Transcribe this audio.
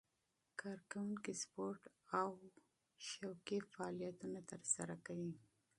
کارکوونکي سپورت او شوقي فعالیتونه ترسره کوي.